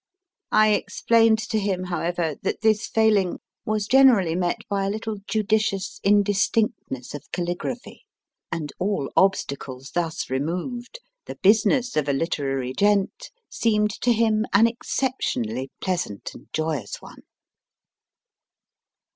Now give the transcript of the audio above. I explained to him, however, that this failing was generally met by a little judicious indistinctness of caligraphy, and all obstacles thus removed, the busi ness of a literary gent seemed to him an exceptionally pleasant and ioyous one.